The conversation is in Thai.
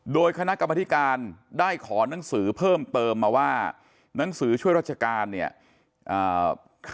โดยคณะกรรมธิการได้ขอหนังสือเพิ่มเติมมาว่าหนังสือช่วยราชการเนี่ย